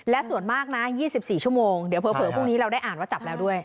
และส่วนมากนะ๒๔ชั่วโมงเดี๋ยวเผลอพรุ่งนี้เราได้อ่านว่าจับแล้วด้วย